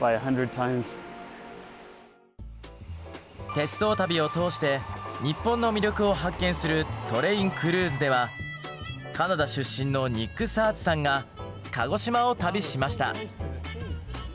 鉄道旅を通して日本の魅力を発見するカナダ出身のニック・サーズさんが鹿児島を旅しました。